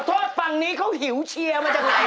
อดฟังนี้เขาหิวเชียร์มาจากไหน